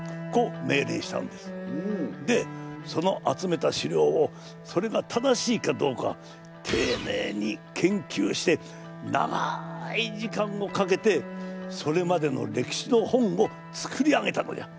でその集めた史料をそれが正しいかどうかていねいに研究して長い時間をかけてそれまでの歴史の本を作り上げたのじゃ。